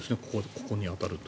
ここに当たるという。